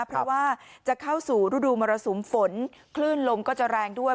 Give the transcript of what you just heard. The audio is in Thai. เพราะว่าจะเข้าสู่ฤดูมรสุมฝนคลื่นลมก็จะแรงด้วย